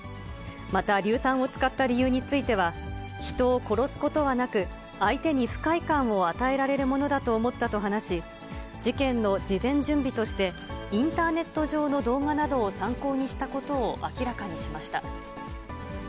また硫酸を使った理由については、人を殺すことはなく、相手に不快感を与えられるものだと思ったと話し、事件の事前準備としてインターネット上の動画などを参考にしたことを明らかにしました。